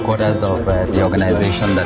một nơi rất quan trọng